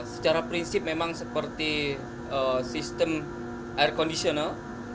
secara prinsip memang seperti sistem air conditional